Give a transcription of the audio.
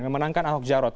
memenangkan ahok jarot